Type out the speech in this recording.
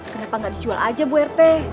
kenapa nggak dijual aja bu rt